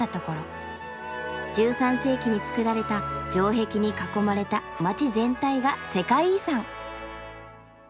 １３世紀に造られた城壁に囲まれた街全体が世界遺産！